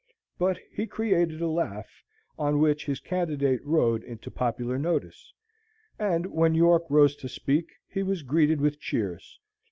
But he created a laugh, on which his candidate rode into popular notice; and when York rose to speak, he was greeted with cheers.